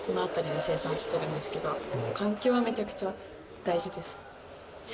環境はめちゃくちゃ大事です。